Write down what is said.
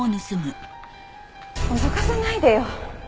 脅かさないでよ。